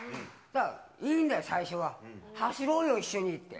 だから、いいんだよ、最初は、走ろうよ、一緒にって。